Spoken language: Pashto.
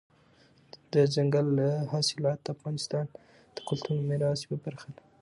دځنګل حاصلات د افغانستان د کلتوري میراث یوه برخه ده.